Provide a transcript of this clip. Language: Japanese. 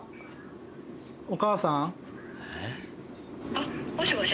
あっもしもし